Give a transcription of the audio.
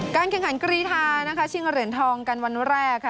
การแข่งขันกรีทาเชียงกับเหรียญทองกันวันแรก